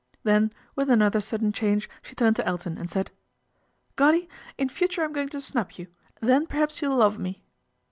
Then with another sudden change sh< turned to Elton and said, " Goddy, in future I'D going to snub you, then perhaps you'll love me.'